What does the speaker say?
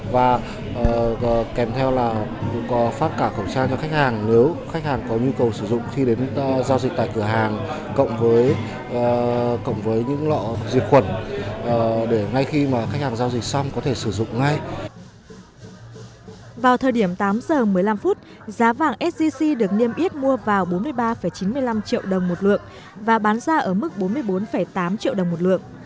vào thời điểm tám giờ một mươi năm phút giá vàng sgc được niêm yết mua vào bốn mươi ba chín mươi năm triệu đồng một lượng và bán ra ở mức bốn mươi bốn tám triệu đồng một lượng